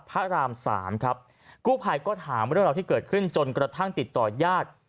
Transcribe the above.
พระอารามสามครับกู้ภัยก็ถามว่าเกิดขึ้นจนกระทั่งติดต่อหญ้า